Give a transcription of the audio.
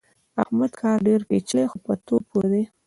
د احمد کار ډېر پېچلی خو په تول پوره دی.